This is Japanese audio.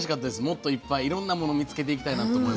もっといっぱいいろんなもの見つけていきたいなと思いました。